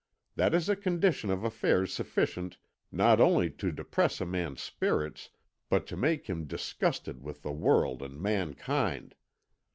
That is a condition of affairs sufficient not only to depress a man's spirits, but to make him disgusted with the world and mankind.